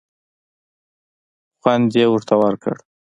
خوند یې ورته ورکړ.